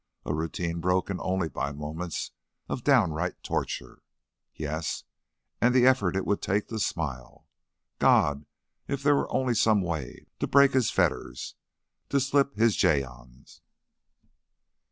A routine broken only by moments of downright torture. Yes, and the effort it would take to smile! God! If there were only some way to break his fetters, slip his gyves!